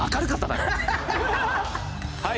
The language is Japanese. はい。